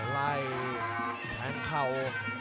ไล่แทงเข่า